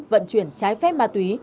vận chuyển trái phép ma túy